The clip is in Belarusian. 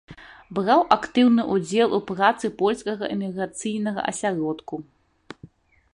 Браў актыўны ўдзел у працы польскага эміграцыйнага асяродку.